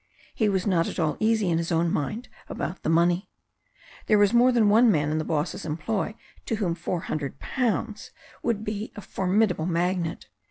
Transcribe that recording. He was not at all easy in his own mind about the money. There was more than one man in the boss's employ to whom £400 would be a formidable magnet.